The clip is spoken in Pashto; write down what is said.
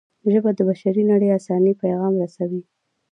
ژبه د بشري نړۍ انساني پیغام رسوي